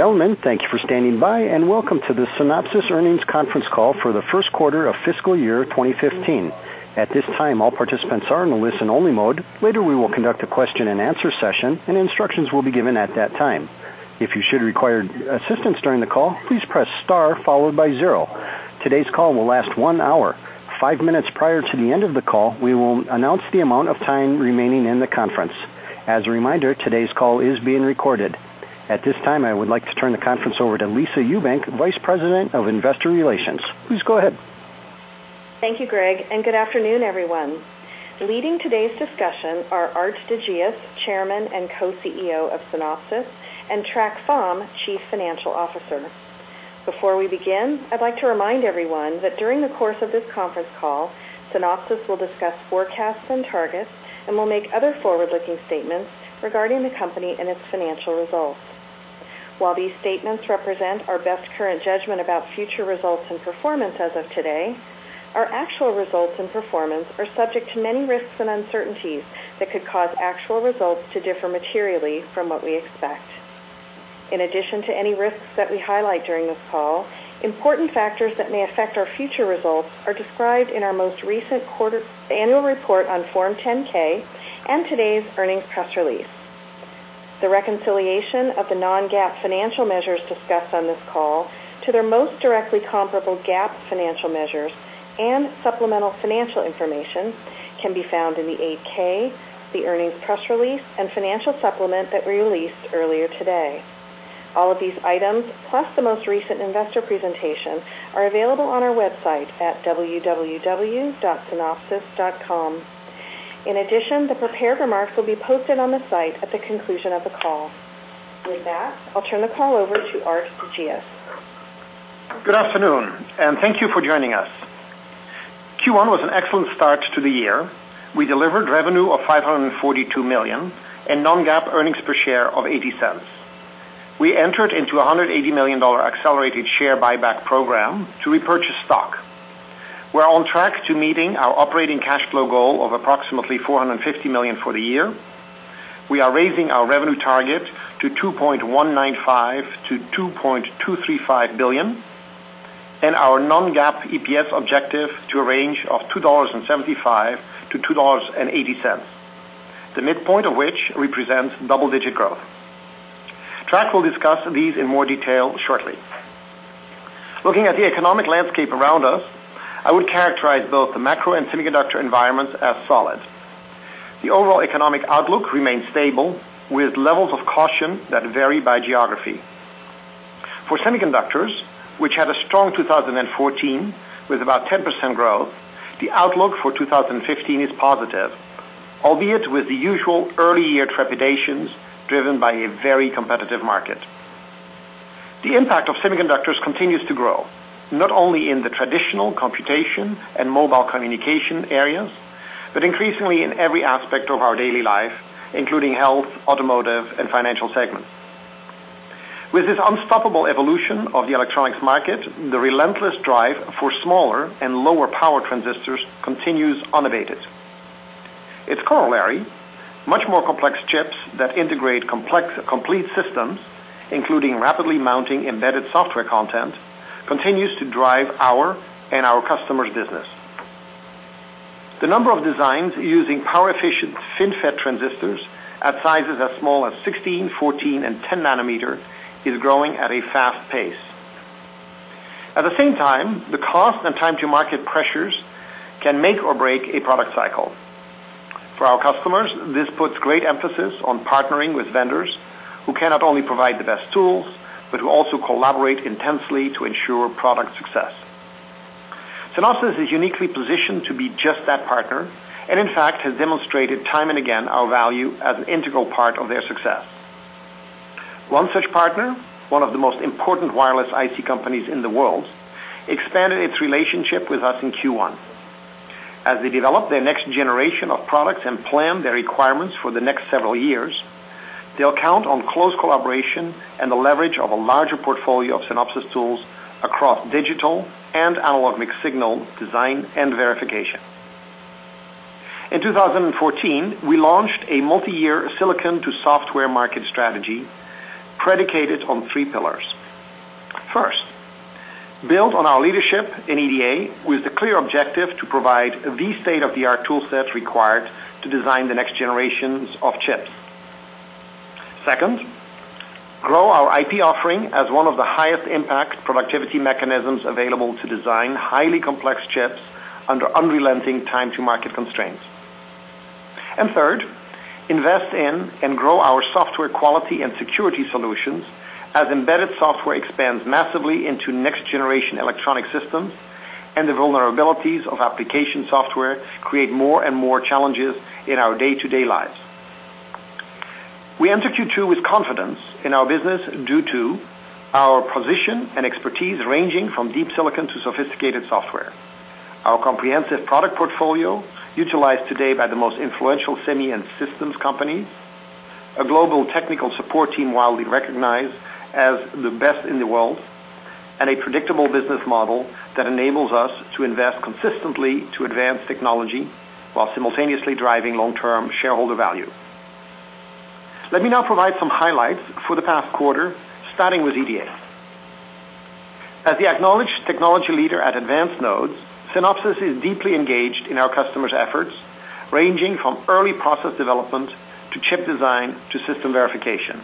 Ladies and gentlemen, thank you for standing by, and welcome to the Synopsys earnings conference call for the first quarter of fiscal year 2015. At this time, all participants are in a listen-only mode. Later, we will conduct a question-and-answer session, and instructions will be given at that time. If you should require assistance during the call, please press star followed by zero. Today's call will last one hour. Five minutes prior to the end of the call, we will announce the amount of time remaining in the conference. As a reminder, today's call is being recorded. At this time, I would like to turn the conference over to Lisa Ewbank, Vice President of Investor Relations. Please go ahead. Thank you, Greg, and good afternoon, everyone. Leading today's discussion are Aart de Geus, Chairman and Co-CEO of Synopsys, and Trac Pham, Chief Financial Officer. Before we begin, I'd like to remind everyone that during the course of this conference call, Synopsys will discuss forecasts and targets and will make other forward-looking statements regarding the company and its financial results. While these statements represent our best current judgment about future results and performance as of today, our actual results and performance are subject to many risks and uncertainties that could cause actual results to differ materially from what we expect. In addition to any risks that we highlight during this call, important factors that may affect our future results are described in our most recent annual report on Form 10-K and today's earnings press release. The reconciliation of the non-GAAP financial measures discussed on this call to their most directly comparable GAAP financial measures and supplemental financial information can be found in the 8-K, the earnings press release, and financial supplement that we released earlier today. All of these items, plus the most recent investor presentation, are available on our website at www.synopsys.com. In addition, the prepared remarks will be posted on the site at the conclusion of the call. With that, I'll turn the call over to Aart de Geus. Good afternoon, and thank you for joining us. Q1 was an excellent start to the year. We delivered revenue of $542 million and non-GAAP earnings per share of $0.80. We entered into a $180 million accelerated share buyback program to repurchase stock. We're on track to meeting our operating cash flow goal of approximately $450 million for the year. We are raising our revenue target to $2.195 billion-$2.235 billion and our non-GAAP EPS objective to a range of $2.75 to $2.80, the midpoint of which represents double-digit growth. Trac will discuss these in more detail shortly. Looking at the economic landscape around us, I would characterize both the macro and semiconductor environments as solid. The overall economic outlook remains stable, with levels of caution that vary by geography. For semiconductors, which had a strong 2014 with about 10% growth, the outlook for 2015 is positive, albeit with the usual early-year trepidations driven by a very competitive market. The impact of semiconductors continues to grow, not only in the traditional computation and mobile communication areas, but increasingly in every aspect of our daily life, including health, automotive, and financial segments. With this unstoppable evolution of the electronics market, the relentless drive for smaller and lower power transistors continues unabated. Its corollary, much more complex chips that integrate complete systems, including rapidly mounting embedded software content, continues to drive our and our customers' business. The number of designs using power-efficient FinFET transistors at sizes as small as 16, 14, and 10 nanometers is growing at a fast pace. At the same time, the cost and time to market pressures can make or break a product cycle. For our customers, this puts great emphasis on partnering with vendors who can not only provide the best tools but who also collaborate intensely to ensure product success. Synopsys is uniquely positioned to be just that partner and, in fact, has demonstrated time and again our value as an integral part of their success. One such partner, one of the most important wireless IC companies in the world, expanded its relationship with us in Q1. As they develop their next generation of products and plan their requirements for the next several years, they'll count on close collaboration and the leverage of a larger portfolio of Synopsys tools across digital and analog mixed-signal design and verification. In 2014, we launched a multi-year silicon-to-software market strategy predicated on three pillars. First, build on our leadership in EDA with the clear objective to provide the state-of-the-art tool sets required to design the next generations of chips. Second, grow our IP offering as one of the highest impact productivity mechanisms available to design highly complex chips under unrelenting time-to-market constraints. Third, invest in and grow our software quality and security solutions as embedded software expands massively into next-generation electronic systems and the vulnerabilities of application software create more and more challenges in our day-to-day lives. We enter Q2 with confidence in our business due to our position and expertise ranging from deep silicon to sophisticated software, our comprehensive product portfolio utilized today by the most influential semi and systems companies, a global technical support team widely recognized as the best in the world. A predictable business model that enables us to invest consistently to advanced technology while simultaneously driving long-term shareholder value. Let me now provide some highlights for the past quarter, starting with EDA. As the acknowledged technology leader at advanced nodes, Synopsys is deeply engaged in our customers' efforts, ranging from early process development to chip design to system verification.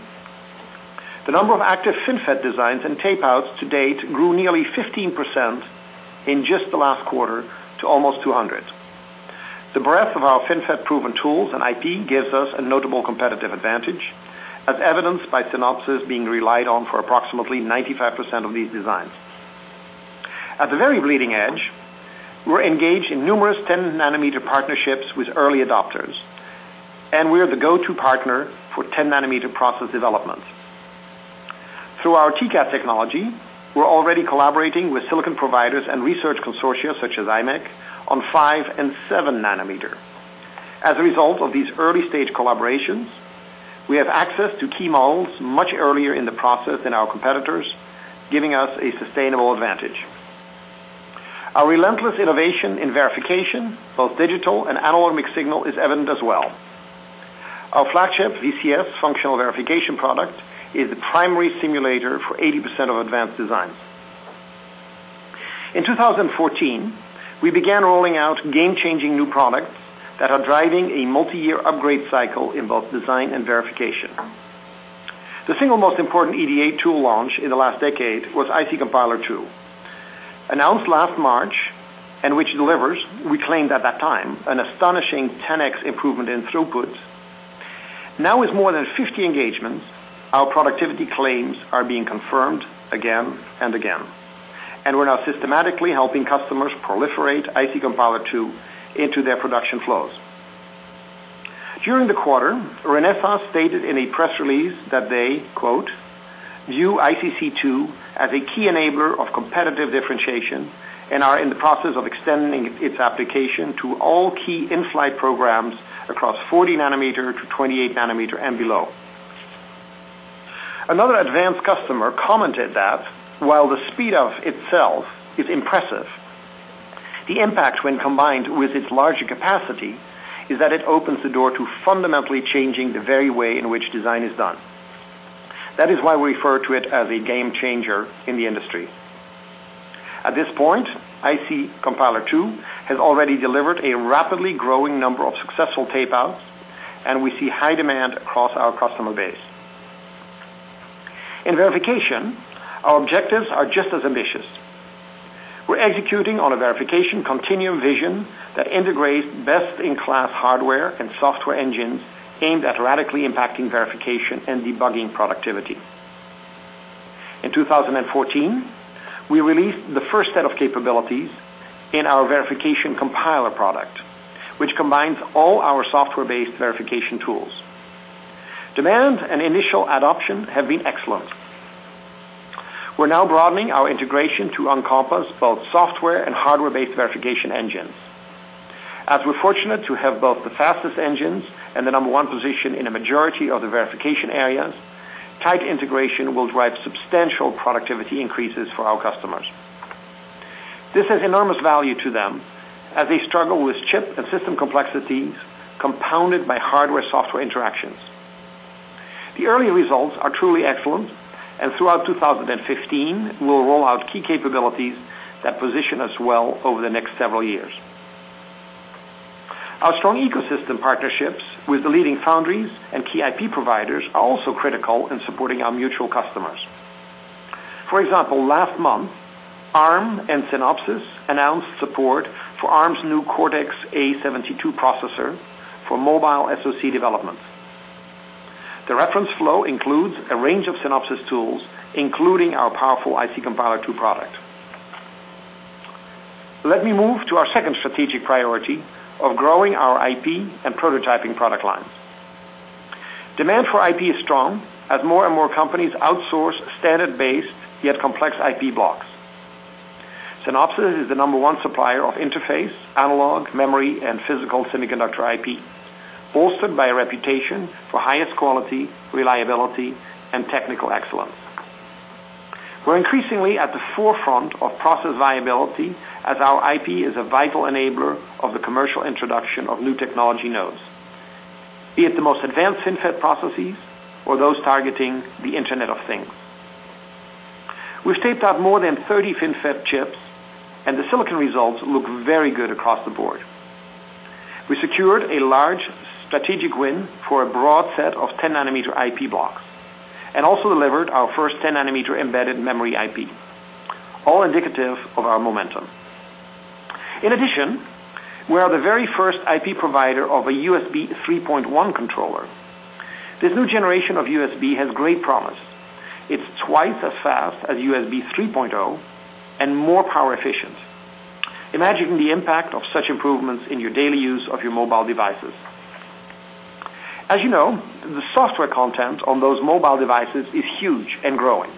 The number of active FinFET designs and tape-outs to date grew nearly 15% in just the last quarter to almost 200. The breadth of our FinFET-proven tools and IP gives us a notable competitive advantage, as evidenced by Synopsys being relied on for approximately 95% of these designs. At the very leading edge, we're engaged in numerous 10 nanometer partnerships with early adopters, and we are the go-to partner for 10 nanometer process development. Through our TCAD technology, we're already collaborating with silicon providers and research consortia such as imec on five and seven nanometer. As a result of these early-stage collaborations, we have access to key molds much earlier in the process than our competitors, giving us a sustainable advantage. Our relentless innovation in verification, both digital and analog mixed signal, is evident as well. Our flagship VCS functional verification product is the primary simulator for 80% of advanced designs. In 2014, we began rolling out game-changing new products that are driving a multi-year upgrade cycle in both design and verification. The single most important EDA tool launch in the last decade was IC Compiler II, announced last March, and which delivers, we claimed at that time, an astonishing 10X improvement in throughput. Now, with more than 50 engagements, our productivity claims are being confirmed again and again, and we're now systematically helping customers proliferate IC Compiler II into their production flows. During the quarter, Renesas stated in a press release that they, quote, "View ICC2 as a key enabler of competitive differentiation and are in the process of extending its application to all key in-flight programs across 40 nanometer to 28 nanometer and below." Another advanced customer commented that while the speed of itself is impressive, the impact when combined with its larger capacity is that it opens the door to fundamentally changing the very way in which design is done. That is why we refer to it as a game changer in the industry. At this point, IC Compiler II has already delivered a rapidly growing number of successful tape-outs, and we see high demand across our customer base. In verification, our objectives are just as ambitious. We're executing on a verification continuum vision that integrates best-in-class hardware and software engines aimed at radically impacting verification and debugging productivity. In 2014, we released the first set of capabilities in our Verification Compiler product, which combines all our software-based verification tools. Demand and initial adoption have been excellent. We're now broadening our integration to encompass both software and hardware-based verification engines. As we're fortunate to have both the fastest engines and the number one position in a majority of the verification areas, tight integration will drive substantial productivity increases for our customers. This has enormous value to them as they struggle with chip and system complexities compounded by hardware-software interactions. The early results are truly excellent, and throughout 2015, we'll roll out key capabilities that position us well over the next several years. Our strong ecosystem partnerships with the leading foundries and key IP providers are also critical in supporting our mutual customers. For example, last month, Arm and Synopsys announced support for Arm's new Cortex-A72 processor for mobile SoC development. The reference flow includes a range of Synopsys tools, including our powerful IC Compiler II product. Let me move to our second strategic priority of growing our IP and prototyping product lines. Demand for IP is strong as more and more companies outsource standard-based, yet complex IP blocks. Synopsys is the number one supplier of interface, analog, memory, and physical semiconductor IP, bolstered by a reputation for highest quality, reliability, and technical excellence. We're increasingly at the forefront of process viability as our IP is a vital enabler of the commercial introduction of new technology nodes, be it the most advanced FinFET processes or those targeting the Internet of Things. We've taped out more than 30 FinFET chips, and the silicon results look very good across the board. We secured a large strategic win for a broad set of 10 nanometer IP blocks and also delivered our first 10 nanometer embedded memory IP, all indicative of our momentum. In addition, we are the very first IP provider of a USB 3.1 controller. This new generation of USB has great promise. It's twice as fast as USB 3.0 and more power efficient. Imagine the impact of such improvements in your daily use of your mobile devices. As you know, the software content on those mobile devices is huge and growing.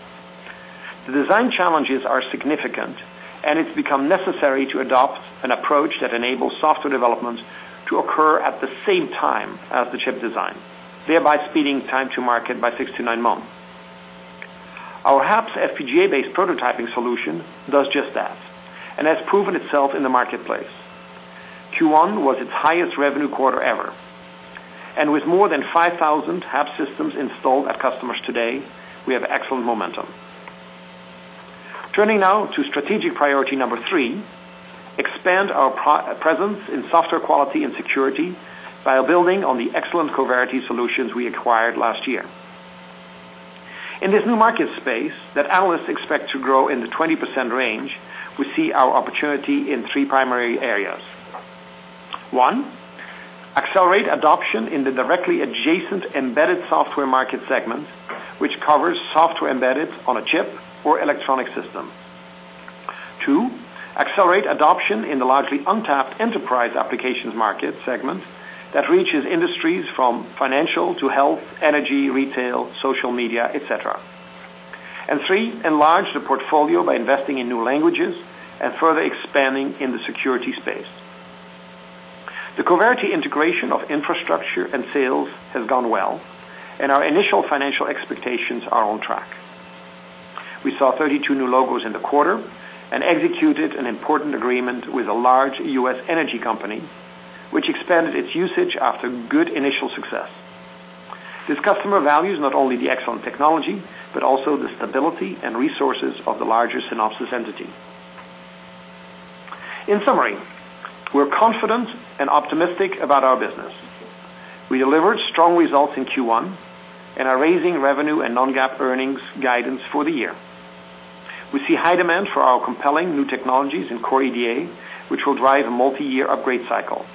The design challenges are significant, and it's become necessary to adopt an approach that enables software development to occur at the same time as the chip design, thereby speeding time to market by six to nine months. Our HAPS FPGA-based prototyping solution does just that and has proven itself in the marketplace. Q1 was its highest revenue quarter ever. With more than 5,000 HAPS systems installed at customers today, we have excellent momentum. Turning now to strategic priority number three, expand our presence in software quality and security by building on the excellent Coverity solutions we acquired last year. In this new market space that analysts expect to grow in the 20% range, we see our opportunity in three primary areas. One, accelerate adoption in the directly adjacent embedded software market segment, which covers software embedded on a chip or electronic system. Two, accelerate adoption in the largely untapped enterprise applications market segment that reaches industries from financial to health, energy, retail, social media, et cetera. Three, enlarge the portfolio by investing in new languages and further expanding in the security space. The Coverity integration of infrastructure and sales has gone well, and our initial financial expectations are on track. We saw 32 new logos in the quarter and executed an important agreement with a large U.S. energy company, which expanded its usage after good initial success. This customer values not only the excellent technology but also the stability and resources of the larger Synopsys entity. In summary, we're confident and optimistic about our business. We delivered strong results in Q1 and are raising revenue and non-GAAP earnings guidance for the year. We see high demand for our compelling new technologies in Core EDA, which will drive a multi-year upgrade cycle.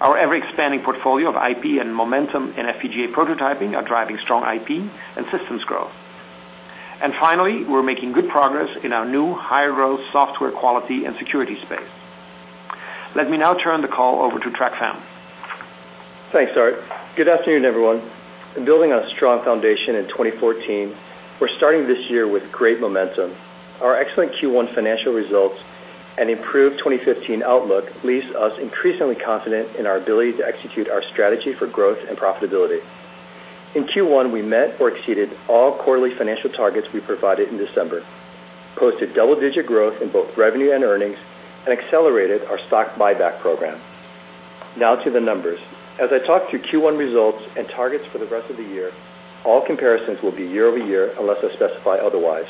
Our ever-expanding portfolio of IP and momentum in FPGA prototyping are driving strong IP and systems growth. Finally, we're making good progress in our new high-growth software quality and security space. Let me now turn the call over to Trac Pham. Thanks, Aart. Good afternoon, everyone. In building on a strong foundation in 2014, we're starting this year with great momentum. Our excellent Q1 financial results and improved 2015 outlook leaves us increasingly confident in our ability to execute our strategy for growth and profitability. In Q1, we met or exceeded all quarterly financial targets we provided in December, posted double-digit growth in both revenue and earnings, and accelerated our stock buyback program. Now to the numbers. As I talk through Q1 results and targets for the rest of the year, all comparisons will be year-over-year unless I specify otherwise.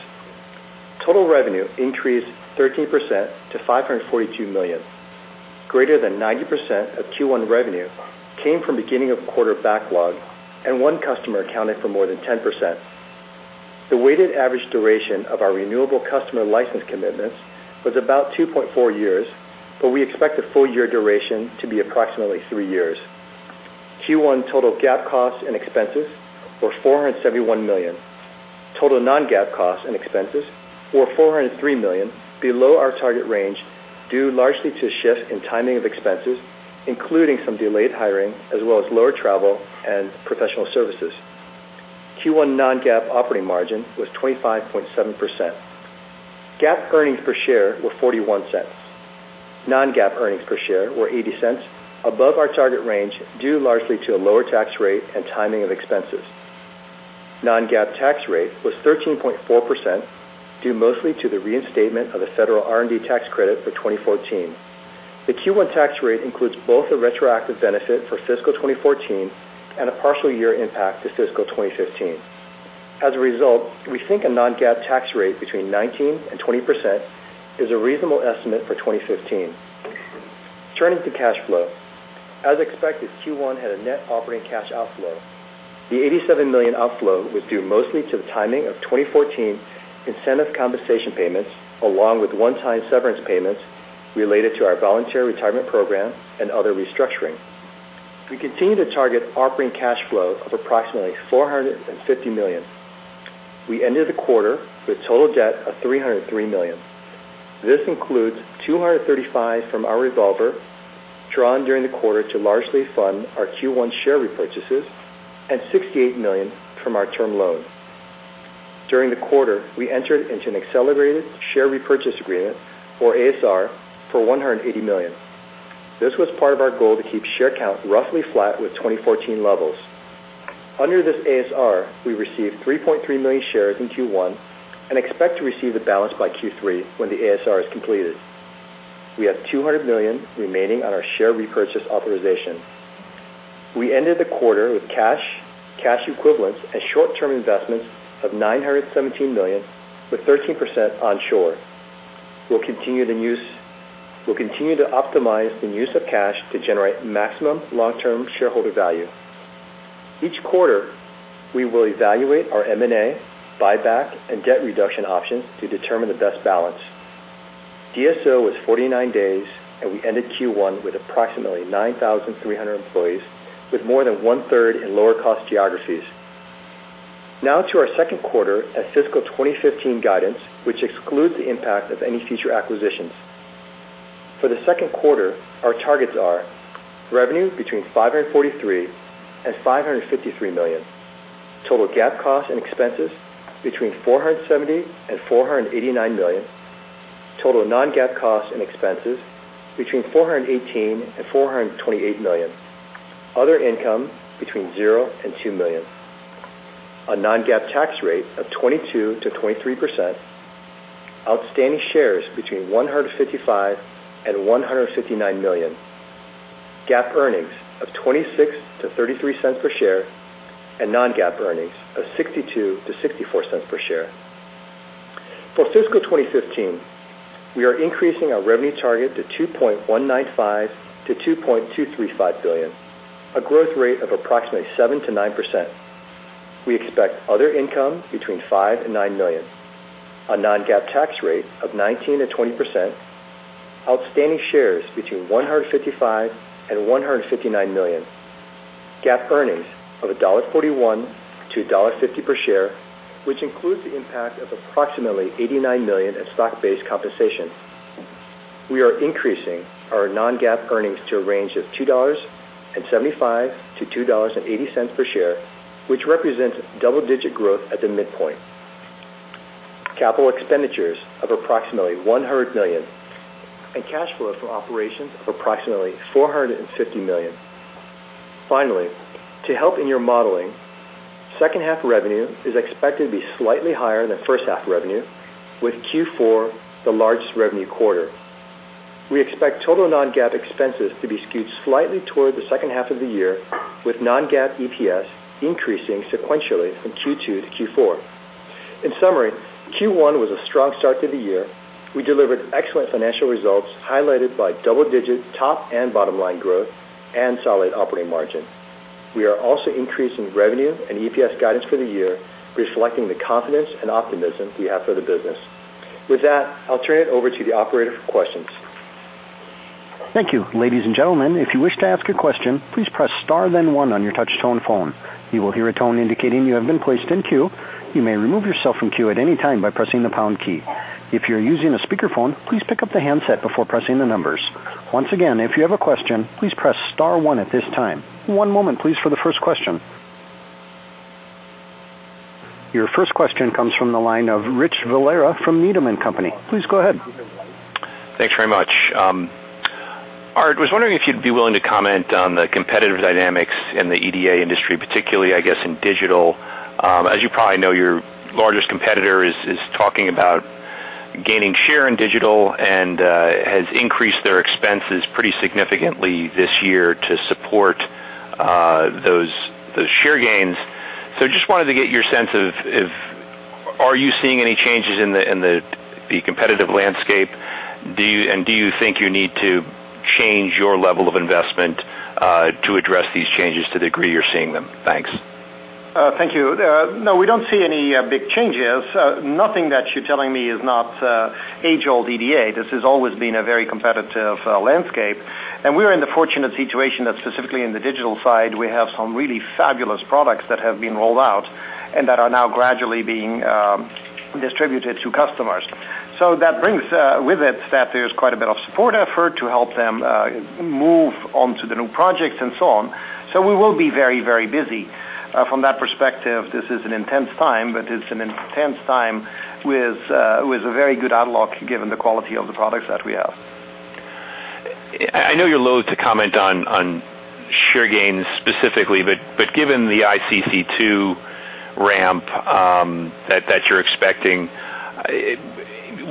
Total revenue increased 13% to $542 million. Greater than 90% of Q1 revenue came from beginning of quarter backlog, and one customer accounted for more than 10%. The weighted average duration of our renewable customer license commitments was about 2.4 years, but we expect the full-year duration to be approximately three years. Q1 total GAAP costs and expenses were $471 million. Total non-GAAP costs and expenses were $403 million, below our target range, due largely to a shift in timing of expenses, including some delayed hiring as well as lower travel and professional services. Q1 non-GAAP operating margin was 25.7%. GAAP earnings per share were $0.41. Non-GAAP earnings per share were $0.80, above our target range, due largely to a lower tax rate and timing of expenses. Non-GAAP tax rate was 13.4%, due mostly to the reinstatement of a federal R&D tax credit for 2014. The Q1 tax rate includes both a retroactive benefit for fiscal 2014 and a partial year impact to fiscal 2015. As a result, we think a non-GAAP tax rate between 19%-20% is a reasonable estimate for 2015. Turning to cash flow. As expected, Q1 had a net operating cash outflow. The $87 million outflow was due mostly to the timing of 2014 incentive compensation payments, along with one-time severance payments related to our voluntary retirement program and other restructuring. We continue to target operating cash flow of approximately $450 million. We ended the quarter with total debt of $303 million. This includes $235 from our revolver, drawn during the quarter to largely fund our Q1 share repurchases, and $68 million from our term loan. During the quarter, we entered into an accelerated share repurchase agreement, or ASR, for $180 million. This was part of our goal to keep share count roughly flat with 2014 levels. Under this ASR, we received 3.3 million shares in Q1 and expect to receive the balance by Q3 when the ASR is completed. We have $200 million remaining on our share repurchase authorization. We ended the quarter with cash equivalents, and short-term investments of $917 million, with 13% onshore. We'll continue to optimize the use of cash to generate maximum long-term shareholder value. Each quarter, we will evaluate our M&A, buyback, and debt reduction options to determine the best balance. DSO was 49 days, and we ended Q1 with approximately 9,300 employees, with more than one-third in lower-cost geographies. Now to our second quarter and fiscal 2015 guidance, which excludes the impact of any future acquisitions. For the second quarter, our targets are revenue between $543 million and $553 million. Total GAAP costs and expenses between $470 million and $489 million. Total non-GAAP costs and expenses between $418 million and $428 million. Other income between $0 and $2 million. A non-GAAP tax rate of 22%-23%. Outstanding shares between 155 million and 159 million. GAAP earnings of $0.26-$0.33 per share, and non-GAAP earnings of $0.62-$0.64 per share. For fiscal 2015, we are increasing our revenue target to $2.195 billion-$2.235 billion, a growth rate of approximately 7%-9%. We expect other income between $5 million and $9 million, a non-GAAP tax rate of 19%-20%, outstanding shares between 155 million and 159 million, GAAP earnings of $1.41-$1.50 per share, which includes the impact of approximately $89 million in stock-based compensation. We are increasing our non-GAAP earnings to a range of $2.75-$2.80 per share, which represents double-digit growth at the midpoint. Capital expenditures of approximately $100 million, and cash flow from operations of approximately $450 million. Finally, to help in your modeling, second half revenue is expected to be slightly higher than first half revenue, with Q4 the largest revenue quarter. We expect total non-GAAP expenses to be skewed slightly toward the second half of the year with non-GAAP EPS increasing sequentially from Q2 to Q4. In summary, Q1 was a strong start to the year. We delivered excellent financial results, highlighted by double-digit top and bottom-line growth and solid operating margin. We are also increasing revenue and EPS guidance for the year, reflecting the confidence and optimism we have for the business. With that, I'll turn it over to the operator for questions. Thank you. Ladies and gentlemen, if you wish to ask a question, please press star then one on your touch tone phone. You will hear a tone indicating you have been placed in queue. You may remove yourself from queue at any time by pressing the pound key. If you're using a speakerphone, please pick up the handset before pressing the numbers. Once again, if you have a question, please press star one at this time. One moment, please, for the first question. Your first question comes from the line of Rich Valera from Needham & Company. Please go ahead. Thanks very much. Aart, was wondering if you'd be willing to comment on the competitive dynamics in the EDA industry, particularly, I guess, in digital. As you probably know, your largest competitor is talking about gaining share in digital and has increased their expenses pretty significantly this year to support those share gains. Just wanted to get your sense of, are you seeing any changes in the competitive landscape? Do you think you need to change your level of investment to address these changes to the degree you're seeing them? Thanks. Thank you. No, we don't see any big changes. Nothing that you're telling me is not age-old EDA. This has always been a very competitive landscape, and we're in the fortunate situation that specifically in the digital side, we have some really fabulous products that have been rolled out and that are now gradually being distributed to customers. That brings with it that there's quite a bit of support effort to help them move on to the new projects and so on. We will be very busy. From that perspective, this is an intense time, but it's an intense time with a very good outlook given the quality of the products that we have. I know you're loathe to comment on share gains specifically, but given the ICC2 ramp that you're expecting,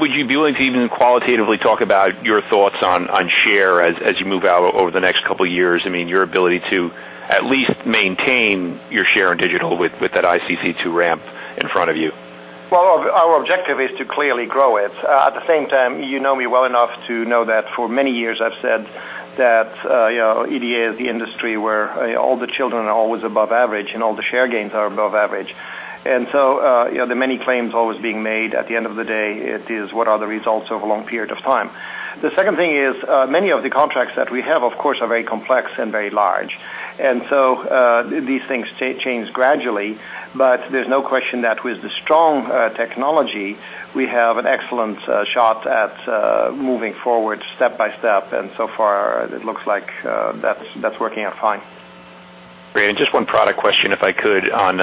would you be willing to even qualitatively talk about your thoughts on share as you move out over the next couple of years? Your ability to at least maintain your share in digital with that ICC2 ramp in front of you? Well, our objective is to clearly grow it. At the same time, you know me well enough to know that for many years I've said that EDA is the industry where all the children are always above average and all the share gains are above average. The many claims always being made at the end of the day, it is what are the results over a long period of time. The second thing is, many of the contracts that we have, of course, are very complex and very large. These things change gradually, but there's no question that with the strong technology, we have an excellent shot at moving forward step by step, and so far it looks like that's working out fine. Great. Just one product question, if I could, on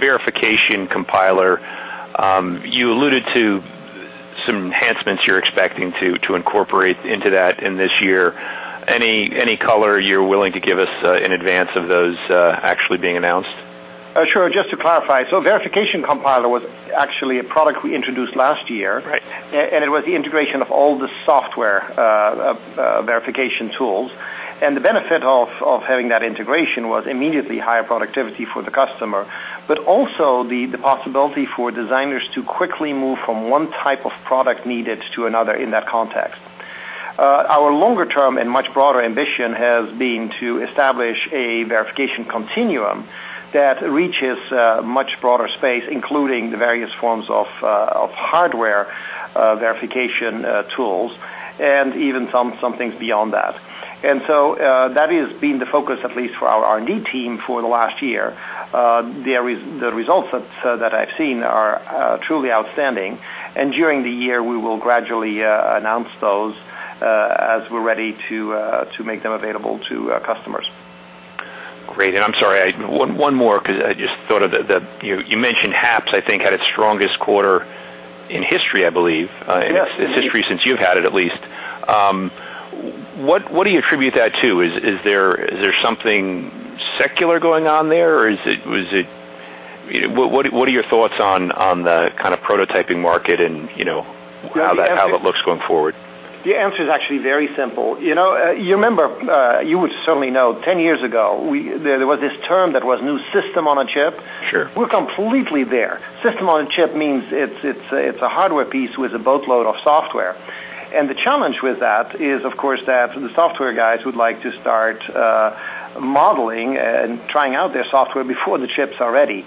Verification Compiler. You alluded to some enhancements you're expecting to incorporate into that in this year. Any color you're willing to give us in advance of those actually being announced? Sure. Just to clarify, Verification Compiler was actually a product we introduced last year. Right. It was the integration of all the software verification tools. The benefit of having that integration was immediately higher productivity for the customer, but also the possibility for designers to quickly move from one type of product needed to another in that context. Our longer-term and much broader ambition has been to establish a verification continuum that reaches a much broader space, including the various forms of hardware verification tools and even some things beyond that. That has been the focus at least for our R&D team for the last year. The results that I've seen are truly outstanding, during the year, we will gradually announce those, as we're ready to make them available to customers. Great. I'm sorry, one more, because I just thought of that you mentioned HAPS, I think, had its strongest quarter in history, I believe- Yes in history since you've had it, at least. What do you attribute that to? Is there something secular going on there? What are your thoughts on the kind of prototyping market and how that looks going forward? The answer is actually very simple. You would certainly know, 10 years ago, there was this term that was new system-on-a-chip. Sure. We're completely there. System-on-a-chip means it's a hardware piece with a boatload of software. The challenge with that is, of course, that the software guys would like to start modeling and trying out their software before the chips are ready.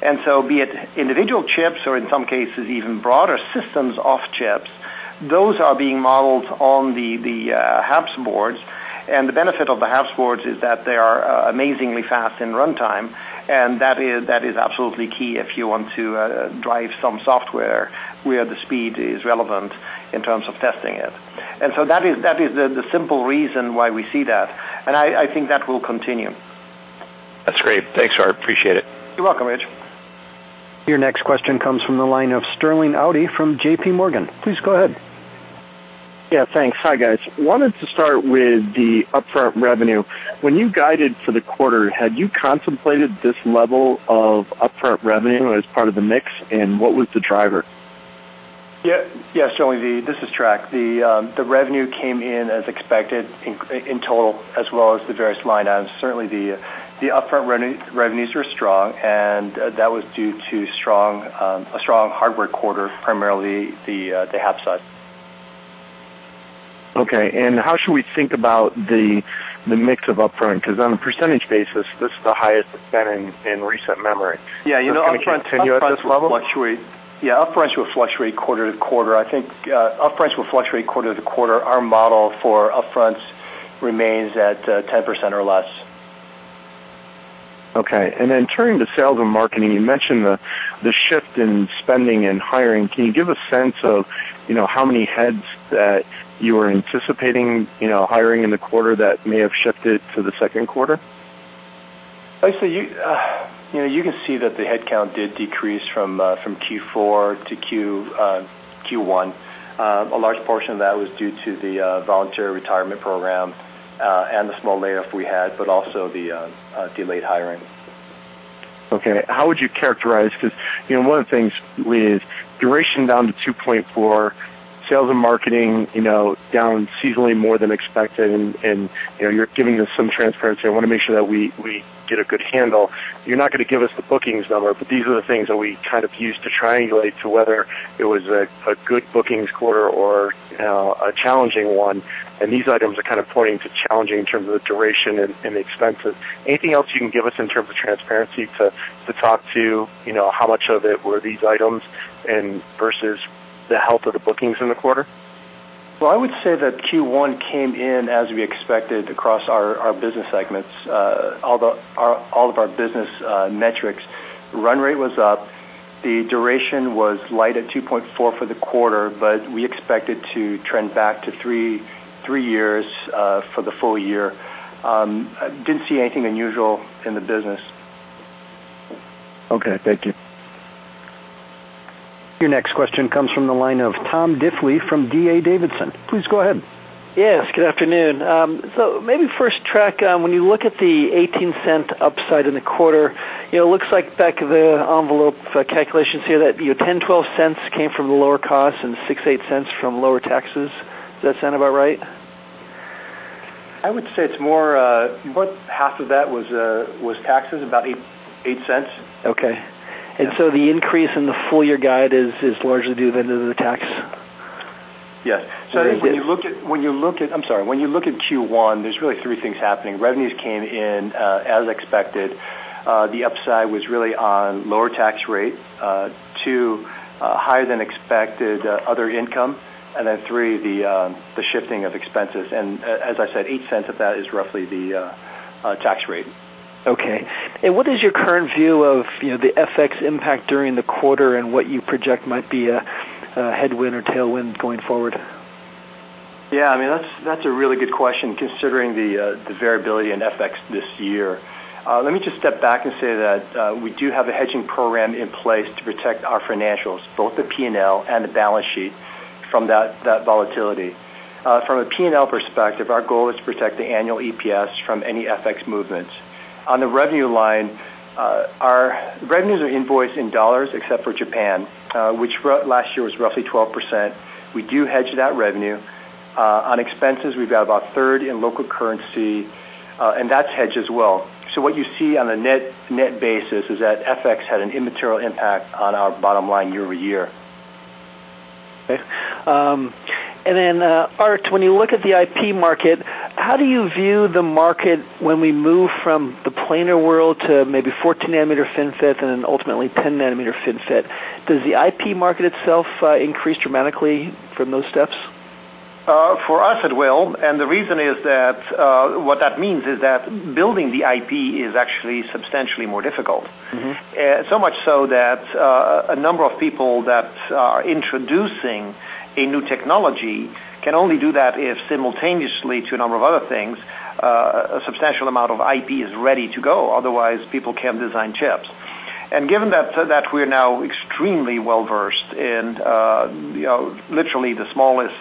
Be it individual chips or in some cases even broader systems off chips, those are being modeled on the HAPS boards. The benefit of the HAPS boards is that they are amazingly fast in runtime, that is absolutely key if you want to drive some software where the speed is relevant in terms of testing it. That is the simple reason why we see that, and I think that will continue. That's great. Thanks, Aart. Appreciate it. You're welcome, Rich. Your next question comes from the line of Sterling Auty from JPMorgan. Please go ahead. Yeah, thanks. Hi, guys. Wanted to start with the upfront revenue. When you guided for the quarter, had you contemplated this level of upfront revenue as part of the mix, and what was the driver? Yes, Sterling, this is Trac. The revenue came in as expected in total as well as the various line items. Certainly, the upfront revenues were strong, and that was due to a strong hardware quarter, primarily the HAPS side. Okay. How should we think about the mix of upfront? Because on a percentage basis, this is the highest it's been in recent memory. Yeah. Is it going to continue at this level? Yeah. Upfronts will fluctuate quarter to quarter. I think upfronts will fluctuate quarter to quarter. Our model for upfronts remains at 10% or less. Okay. Turning to sales and marketing, you mentioned the shift in spending and hiring. Can you give a sense of how many heads that you are anticipating hiring in the quarter that may have shifted to the second quarter? You can see that the headcount did decrease from Q4 to Q1. A large portion of that was due to the voluntary retirement program, and the small layoff we had, but also the delayed hiring. Okay. How would you characterize, because one of the things with duration down to 2.4, sales and marketing down seasonally more than expected, and you're giving us some transparency, I want to make sure that we get a good handle. You're not going to give us the bookings number, these are the things that we kind of use to triangulate to whether it was a good bookings quarter or a challenging one, these items are kind of pointing to challenging in terms of the duration and expenses. Anything else you can give us in terms of transparency to talk to how much of it were these items and versus the health of the bookings in the quarter? Well, I would say that Q1 came in as we expected across our business segments, all of our business metrics. Run rate was up. The duration was light at 2.4 for the quarter, we expect it to trend back to three years for the full year. I didn't see anything unusual in the business. Okay. Thank you. Your next question comes from the line of Tom Diffley from D.A. Davidson. Please go ahead. Yes, good afternoon. Maybe first, Trac, when you look at the $0.18 upside in the quarter, it looks like back of the envelope calculations here that $0.10, $0.12 came from the lower cost and $0.06, $0.08 from lower taxes. Does that sound about right? I would say it's more about half of that was taxes, about $0.08. Okay. The increase in the full year guide is largely due then to the tax? Yes. Very good. I'm sorry. When you look at Q1, there's really three things happening. Revenues came in as expected. The upside was really on lower tax rate to higher than expected other income, then three, the shifting of expenses. As I said, $0.08 of that is roughly the tax rate. Okay. What is your current view of the FX impact during the quarter and what you project might be a headwind or tailwind going forward? Yeah, that's a really good question considering the variability in FX this year. Let me just step back and say that we do have a hedging program in place to protect our financials, both the P&L and the balance sheet from that volatility. From a P&L perspective, our goal is to protect the annual EPS from any FX movements. On the revenue line, our revenues are invoiced in $, except for Japan, which last year was roughly 12%. We do hedge that revenue. On expenses, we've got about a third in local currency, and that's hedged as well. What you see on a net basis is that FX had an immaterial impact on our bottom line year-over-year. Okay. Then Aart, when you look at the IP market, how do you view the market when we move from the planar world to maybe 14 nanometer FinFET and then ultimately 10 nanometer FinFET? Does the IP market itself increase dramatically from those steps? For us, it will. The reason is that what that means is that building the IP is actually substantially more difficult. Much so that a number of people that are introducing a new technology can only do that if simultaneously to a number of other things, a substantial amount of IP is ready to go. Otherwise, people can't design chips. Given that we are now extremely well-versed in literally the smallest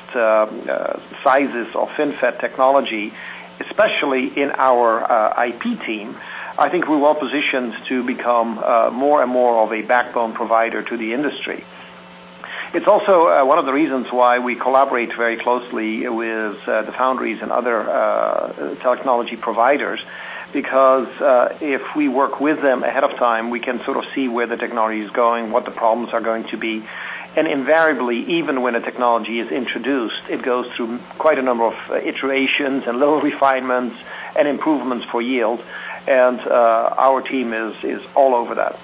sizes of FinFET technology, especially in our IP team, I think we're well-positioned to become more and more of a backbone provider to the industry. It's also one of the reasons why we collaborate very closely with the foundries and other technology providers, because if we work with them ahead of time, we can sort of see where the technology is going, what the problems are going to be. Invariably, even when a technology is introduced, it goes through quite a number of iterations and little refinements and improvements for yield, and our team is all over that.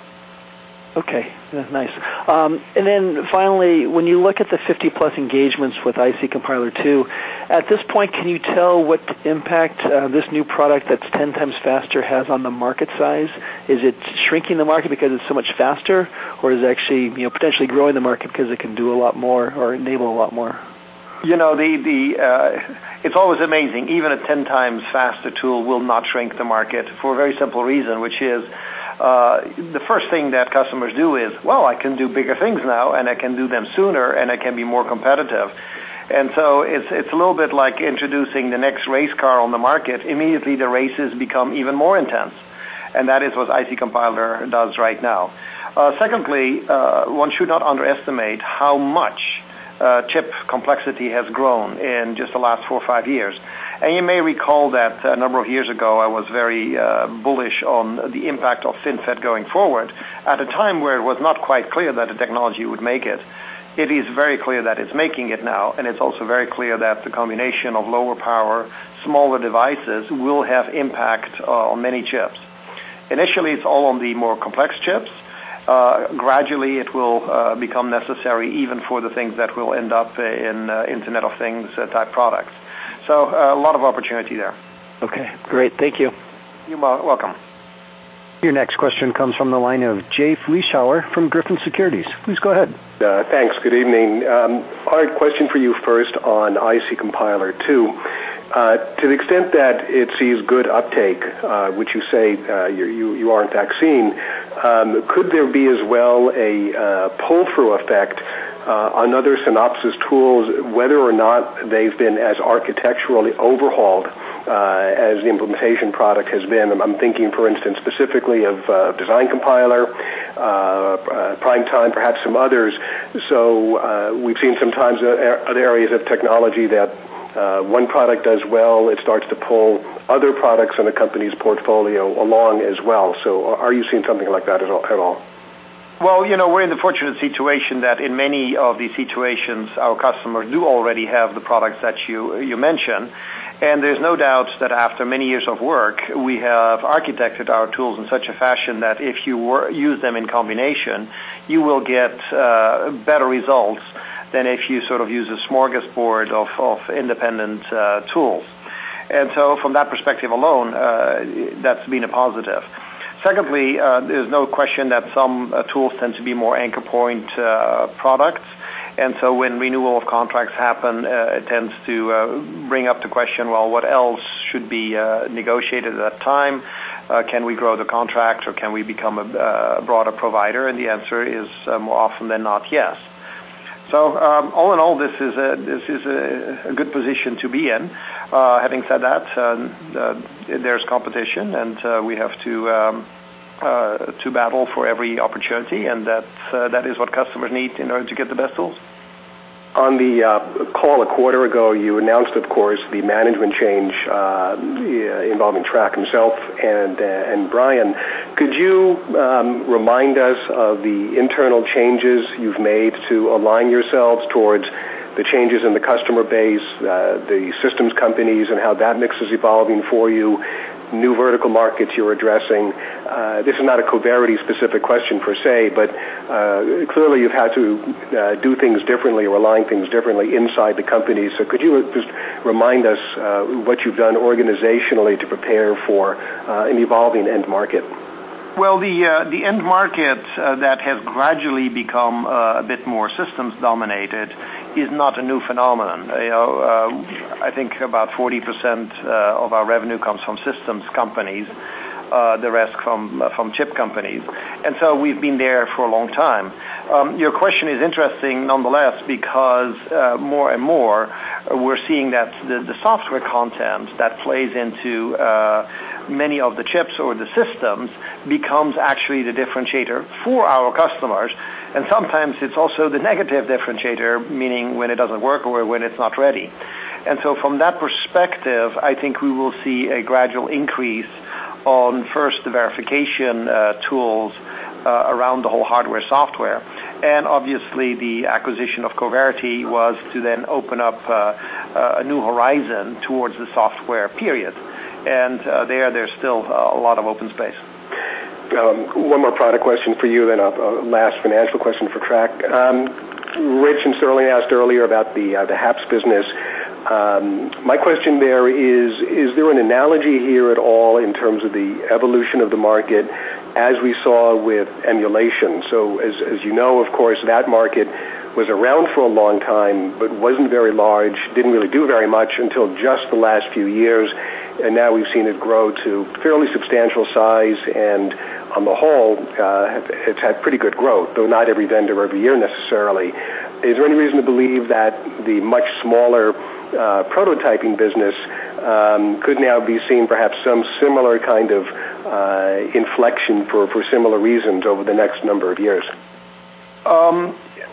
Okay. That's nice. Finally, when you look at the 50 plus engagements with IC Compiler II, at this point, can you tell what impact this new product that's 10 times faster has on the market size? Is it shrinking the market because it's so much faster, or is it actually potentially growing the market because it can do a lot more or enable a lot more? It's always amazing. Even a 10 times faster tool will not shrink the market for a very simple reason, which is, the first thing that customers do is, "Well, I can do bigger things now, and I can do them sooner, and I can be more competitive." It's a little bit like introducing the next race car on the market. Immediately, the races become even more intense, and that is what IC Compiler does right now. Secondly, one should not underestimate how much chip complexity has grown in just the last four or five years. You may recall that a number of years ago, I was very bullish on the impact of FinFET going forward at a time where it was not quite clear that the technology would make it. It is very clear that it's making it now, and it's also very clear that the combination of lower power, smaller devices will have impact on many chips. Initially, it's all on the more complex chips. Gradually, it will become necessary even for the things that will end up in Internet of Things type products. A lot of opportunity there. Okay, great. Thank you. You're welcome. Your next question comes from the line of Jay Vleeschhouwer from Griffin Securities. Please go ahead. Thanks. Good evening. I have a question for you first on IC Compiler II. To the extent that it sees good uptake, which you say you are in fact seeing, could there be as well a pull-through effect on other Synopsys tools, whether or not they've been as architecturally overhauled as the implementation product has been? I'm thinking, for instance, specifically of Design Compiler, PrimeTime, perhaps some others. We've seen sometimes in other areas of technology that one product does well, it starts to pull other products in a company's portfolio along as well. Are you seeing something like that at all? Well, we're in the fortunate situation that in many of these situations, our customers do already have the products that you mentioned, and there's no doubt that after many years of work, we have architected our tools in such a fashion that if you use them in combination, you will get better results than if you sort of use a smorgasbord of independent tools. From that perspective alone, that's been a positive. Secondly, there's no question that some tools tend to be more anchor point products, and so when renewal of contracts happen, it tends to bring up the question, well, what else should be negotiated at that time? Can we grow the contracts, or can we become a broader provider? And the answer is more often than not, yes. All in all, this is a good position to be in. Having said that, there's competition, and we have to battle for every opportunity, and that is what customers need in order to get the best tools. On the call a quarter ago, you announced, of course, the management change involving Trac himself and Brian. Could you remind us of the internal changes you've made to align yourselves towards the changes in the customer base, the systems companies, and how that mix is evolving for you, new vertical markets you're addressing? This is not a Coverity specific question per se, but clearly you've had to do things differently or align things differently inside the company. Could you just remind us what you've done organizationally to prepare for an evolving end market? Well, the end market that has gradually become a bit more systems dominated is not a new phenomenon. I think about 40% of our revenue comes from systems companies, the rest from chip companies, we've been there for a long time. Your question is interesting nonetheless, because more and more, we're seeing that the software content that plays into many of the chips or the systems becomes actually the differentiator for our customers, and sometimes it's also the negative differentiator, meaning when it doesn't work or when it's not ready. From that perspective, I think we will see a gradual increase on first verification tools around the whole hardware, software. Obviously, the acquisition of Coverity was to then open up a new horizon towards the software, period, and there's still a lot of open space. One more product question for you, then a last financial question for Trac. Rich and Sterling asked earlier about the HAPS business. My question there is there an analogy here at all in terms of the evolution of the market as we saw with emulation? As you know, of course, that market was around for a long time, but wasn't very large, didn't really do very much until just the last few years, and now we've seen it grow to fairly substantial size and On the whole, it's had pretty good growth, though not every vendor every year necessarily. Is there any reason to believe that the much smaller prototyping business could now be seeing perhaps some similar kind of inflection for similar reasons over the next number of years?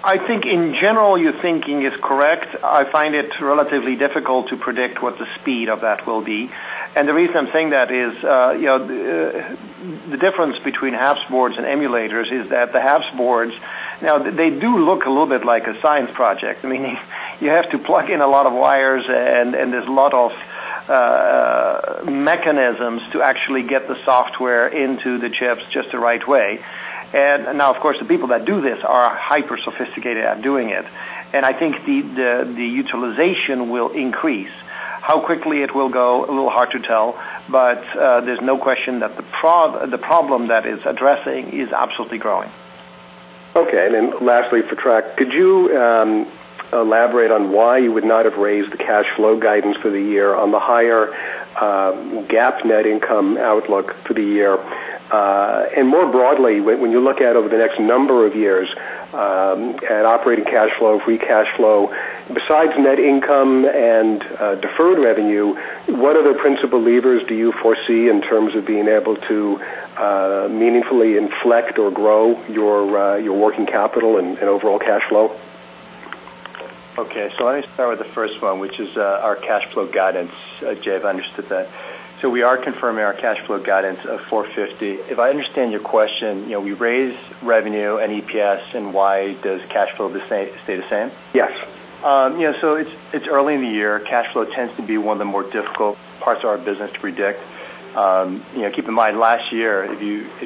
I think in general, your thinking is correct. I find it relatively difficult to predict what the speed of that will be. The reason I'm saying that is the difference between HAPS boards and emulators is that the HAPS boards, now they do look a little bit like a science project. You have to plug in a lot of wires, and there's a lot of mechanisms to actually get the software into the chips just the right way. Now, of course, the people that do this are hyper-sophisticated at doing it, and I think the utilization will increase. How quickly it will go, a little hard to tell, but there's no question that the problem that it's addressing is absolutely growing. Okay, then lastly for Trac, could you elaborate on why you would not have raised the cash flow guidance for the year on the higher GAAP net income outlook for the year? More broadly, when you look at over the next number of years at operating cash flow, free cash flow, besides net income and deferred revenue, what other principal levers do you foresee in terms of being able to meaningfully inflect or grow your working capital and overall cash flow? Okay, let me start with the first one, which is our cash flow guidance, Jay, I've understood that. We are confirming our cash flow guidance of $450. If I understand your question, we raise revenue and EPS, and why does cash flow stay the same? Yes. It's early in the year. Cash flow tends to be one of the more difficult parts of our business to predict. Keep in mind, last year, if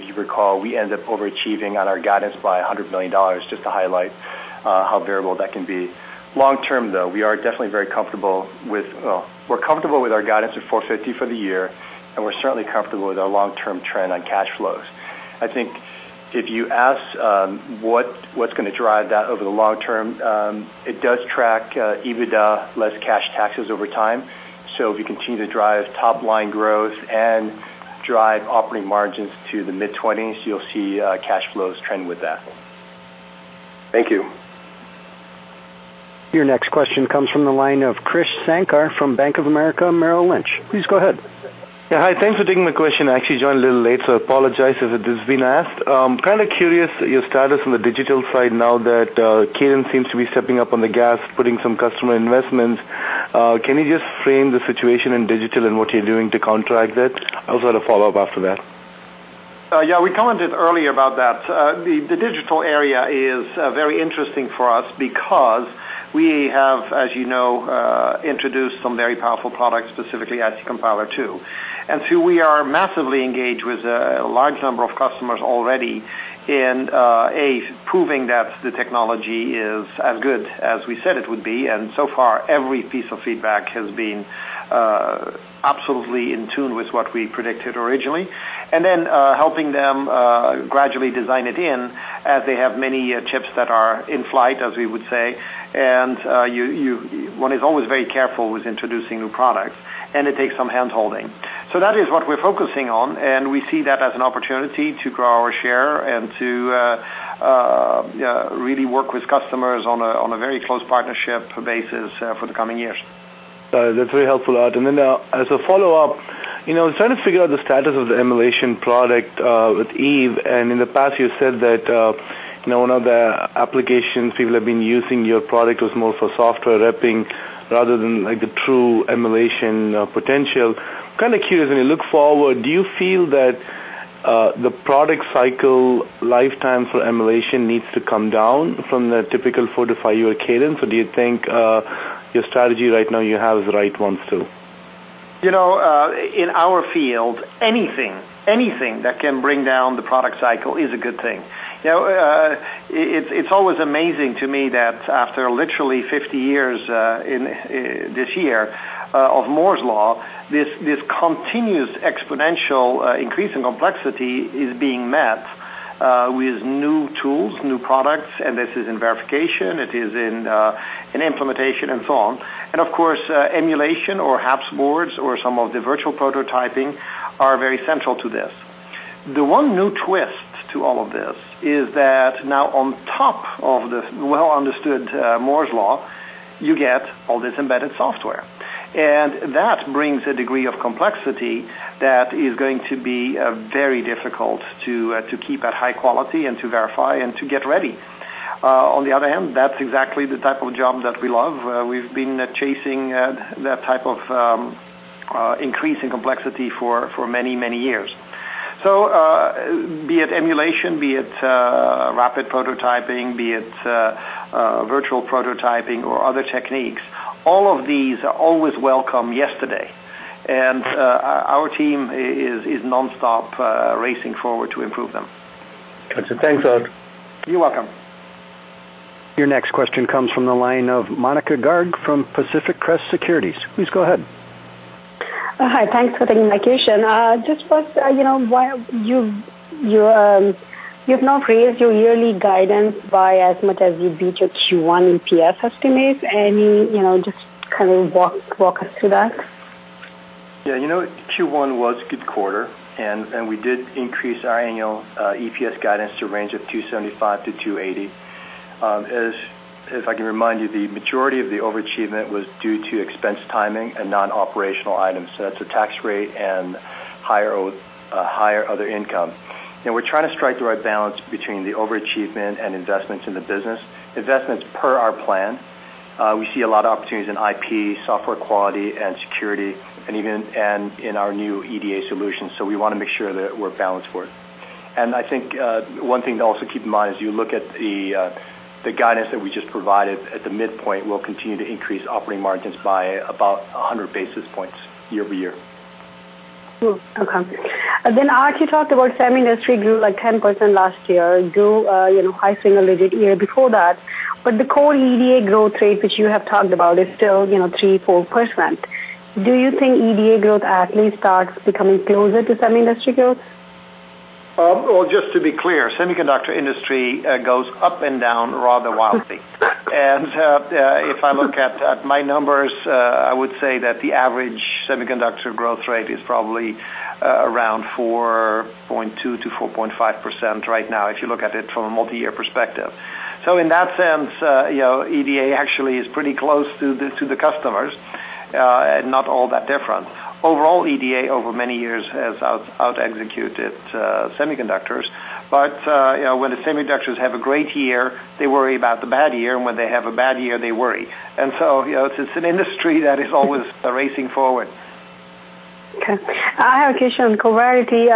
you recall, we ended up overachieving on our guidance by $100 million, just to highlight how variable that can be. Long term, though, we're comfortable with our guidance of $450 for the year, and we're certainly comfortable with our long-term trend on cash flows. I think if you ask what's going to drive that over the long term, it does track EBITDA less cash taxes over time. If you continue to drive top-line growth and drive operating margins to the mid-20s, you'll see cash flows trend with that. Thank you. Your next question comes from the line of Krish Sankar from Bank of America Merrill Lynch. Please go ahead. Yeah, hi. Thanks for taking the question. I actually joined a little late, so apologize if this has been asked. I'm kind of curious your status on the digital side now that Cadence seems to be stepping up on the gas, putting some customer investments. Can you just frame the situation in digital and what you're doing to counteract that? I also had a follow-up after that. Yeah, we commented earlier about that. The digital area is very interesting for us because we have, as you know, introduced some very powerful products, specifically IC Compiler II. We are massively engaged with a large number of customers already in, A, proving that the technology is as good as we said it would be, and so far, every piece of feedback has been absolutely in tune with what we predicted originally. Helping them gradually design it in as they have many chips that are in flight, as we would say. One is always very careful with introducing new products, and it takes some hand-holding. That is what we're focusing on, and we see that as an opportunity to grow our share and to really work with customers on a very close partnership basis for the coming years. That's very helpful, Aart. As a follow-up, I was trying to figure out the status of the emulation product with EVE, and in the past you said that one of the applications people have been using your product was more for software emulation rather than the true emulation potential. Kind of curious, when you look forward, do you feel that the product cycle lifetime for emulation needs to come down from the typical four to five-year cadence, or do you think your strategy right now you have is the right ones too? In our field, anything that can bring down the product cycle is a good thing. It's always amazing to me that after literally 50 years, this year, of Moore's Law, this continuous exponential increase in complexity is being met with new tools, new products, and this is in verification, it is in implementation, and so on. Of course, emulation or HAPS boards or some of the virtual prototyping are very central to this. The one new twist to all of this is that now on top of the well-understood Moore's Law, you get all this embedded software. That brings a degree of complexity that is going to be very difficult to keep at high quality and to verify and to get ready. On the other hand, that's exactly the type of job that we love. We've been chasing that type of increase in complexity for many, many years. Be it emulation, be it rapid prototyping, be it virtual prototyping or other techniques, all of these are always welcome yesterday. Our team is nonstop racing forward to improve them. Got you. Thanks, Aart. You're welcome. Your next question comes from the line of Monika Garg from Pacific Crest Securities. Please go ahead. Hi. Thanks for taking my question. Just what you've not raised your yearly guidance by as much as you beat your Q1 EPS estimates. Can you just kind of walk us through that? Yeah, Q1 was a good quarter, and we did increase our annual EPS guidance to a range of $2.75-$2.80. If I can remind you, the majority of the overachievement was due to expense timing and non-operational items. That's a tax rate and higher other income. We're trying to strike the right balance between the overachievement and investments in the business. Investments per our plan. We see a lot of opportunities in IP, software quality, and security, and in our new EDA solutions. We want to make sure that we're balanced for it. I think one thing to also keep in mind as you look at the guidance that we just provided, at the midpoint, we'll continue to increase operating margins by about 100 basis points year-over-year. Cool. Okay. Aart, you talked about semi industry grew 10% last year, grew high single digit year before that. The core EDA growth rate, which you have talked about, is still 3%-4%. Do you think EDA growth at least starts becoming closer to semi industry growth? Well, just to be clear, semiconductor industry goes up and down rather wildly. If I look at my numbers, I would say that the average semiconductor growth rate is probably around 4.2%-4.5% right now, if you look at it from a multi-year perspective. In that sense, EDA actually is pretty close to the customers, and not all that different. Overall, EDA, over many years, has outexecuted semiconductors. When the semiconductors have a great year, they worry about the bad year, and when they have a bad year, they worry. It's an industry that is always racing forward. Okay. I have a question on Coverity.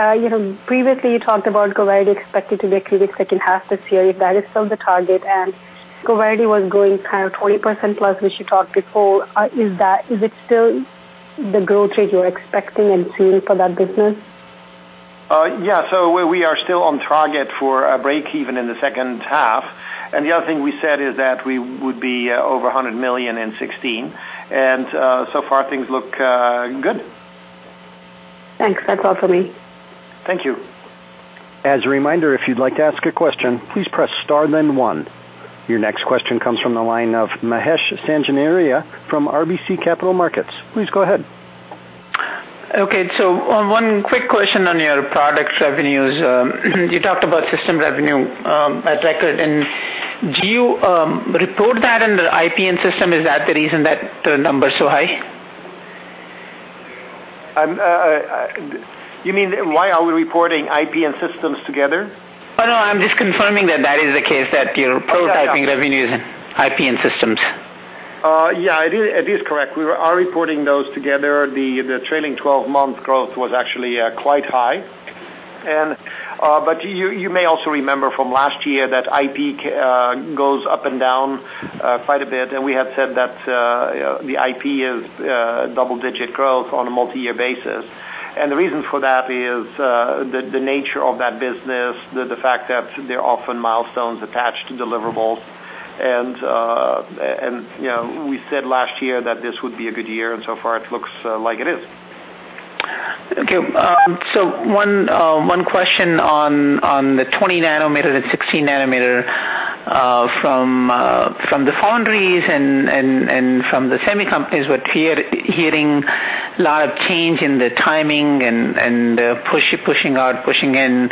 Previously you talked about Coverity expected to break even second half this year, if that is still the target. Coverity was growing 20% plus, which you talked before. Is it still the growth rate you're expecting and seeing for that business? Yeah. We are still on target for a break even in the second half. The other thing we said is that we would be over $100 million in 2016. So far, things look good. Thanks. That's all for me. Thank you. As a reminder, if you'd like to ask a question, please press star then one. Your next question comes from the line of Mahesh Sanganeria from RBC Capital Markets. Please go ahead. Okay. One quick question on your products revenues. You talked about system revenue at record, and do you report that under IP and system? Is that the reason that the number is so high? You mean why are we reporting IP and systems together? Oh, no, I'm just confirming that that is the case, that you're prototyping revenues in IP and systems. Yeah, it is correct. We are reporting those together. The trailing 12-month growth was actually quite high. You may also remember from last year that IP goes up and down quite a bit, and we had said that the IP is double-digit growth on a multi-year basis. The reason for that is the nature of that business, the fact that there are often milestones attached to deliverables. We said last year that this would be a good year, and so far it looks like it is. Okay. One question on the 20 nanometer and 16 nanometer. From the foundries and from the semi companies, we're hearing a lot of change in the timing and pushing out, pushing in.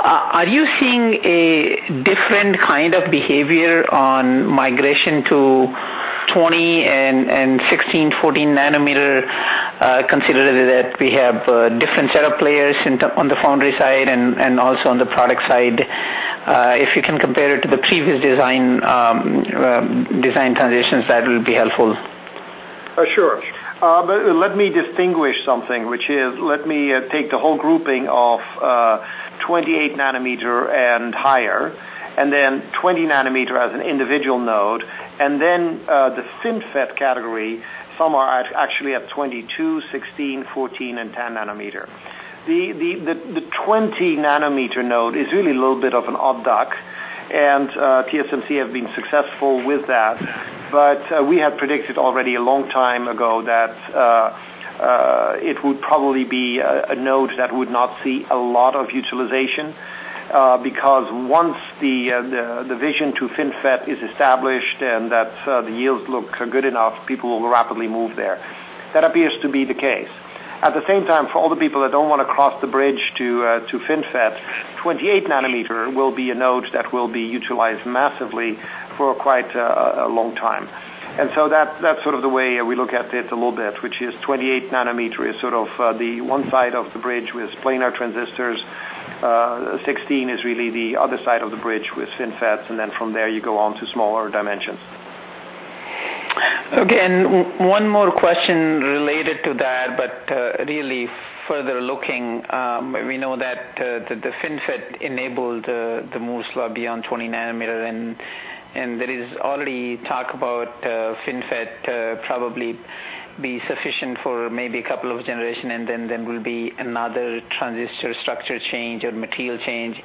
Are you seeing a different kind of behavior on migration to 20 and 16, 14 nanometer, considering that we have a different set of players on the foundry side and also on the product side? If you can compare it to the previous design transitions, that will be helpful. Sure. Let me distinguish something, which is let me take the whole grouping of 28 nanometer and higher, then 20 nanometer as an individual node, and then the FinFET category, some are actually at 22, 16, 14, and 10 nanometer. The 20 nanometer node is really a little bit of an odd duck, TSMC have been successful with that. We have predicted already a long time ago that it would probably be a node that would not see a lot of utilization, because once the vision to FinFET is established and that the yields look good enough, people will rapidly move there. That appears to be the case. At the same time, for all the people that don't want to cross the bridge to FinFET, 28 nanometer will be a node that will be utilized massively for quite a long time. That's sort of the way we look at it a little bit, which is 28 nanometer is sort of the one side of the bridge with planar transistors, 16 is really the other side of the bridge with FinFET, then from there you go on to smaller dimensions. Okay. One more question related to that, but really further looking. We know that the FinFET enabled the Moore's Law beyond 20 nanometer, there is already talk about FinFET probably be sufficient for maybe a couple of generation, then there will be another transistor structure change or material change.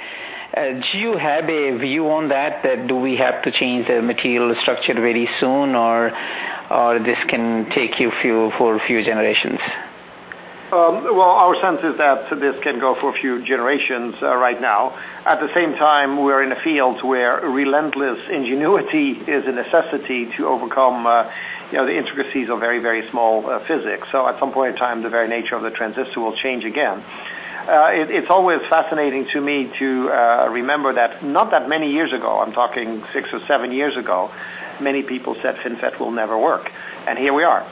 Do you have a view on that? Do we have to change the material structure very soon, or this can take you for a few generations? Well, our sense is that this can go for a few generations right now. At the same time, we're in a field where relentless ingenuity is a necessity to overcome the intricacies of very, very small physics. At some point in time, the very nature of the transistor will change again. It's always fascinating to me to remember that not that many years ago, I'm talking six or seven years ago, many people said FinFET will never work, and here we are.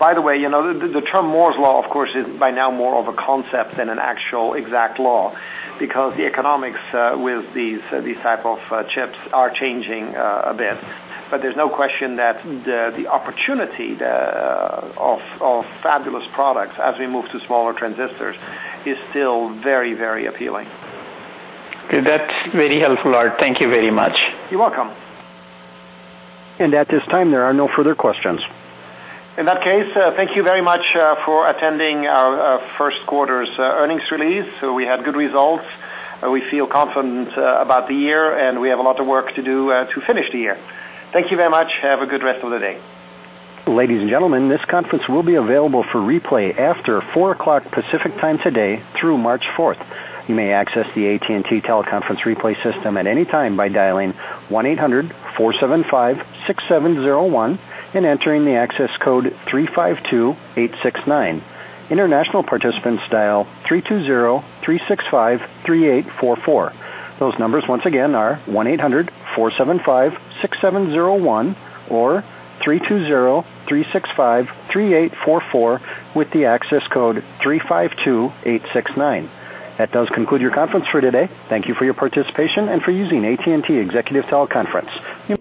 By the way, the term Moore's Law, of course, is by now more of a concept than an actual exact law, because the economics with these type of chips are changing a bit. There's no question that the opportunity of fabulous products as we move to smaller transistors is still very, very appealing. Okay. That's very helpful, Aart. Thank you very much. You're welcome. At this time, there are no further questions. In that case, thank you very much for attending our first quarter's earnings release. We had good results. We feel confident about the year. We have a lot of work to do to finish the year. Thank you very much. Have a good rest of the day. Ladies and gentlemen, this conference will be available for replay after 4:00 P.M. Pacific Time today through March 4th. You may access the AT&T teleconference replay system at any time by dialing 1-800-475-6701 and entering the access code 352869. International participants dial 3203653844. Those numbers once again are 1-800-475-6701 or 3203653844 with the access code 352869. That does conclude your conference for today. Thank you for your participation and for using AT&T Executive Teleconference.